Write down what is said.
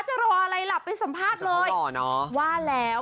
จะรออะไรล่ะไปสัมภาษณ์เลยแต่เขาหล่อเนอะว่าแล้ว